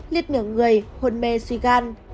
liệt miệng người hồn mê suy gan